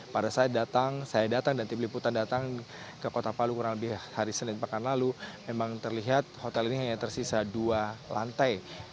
pada saat datang saya datang dan tim liputan datang ke kota palu kurang lebih hari senin pekan lalu memang terlihat hotel ini hanya tersisa dua lantai